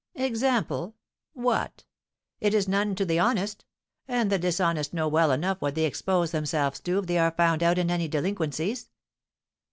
"Example? What? It is none to the honest, and the dishonest know well enough what they expose themselves to if they are found out in any delinquencies."